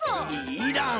いらん。